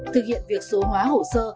thực hiện việc số hóa hồ sơ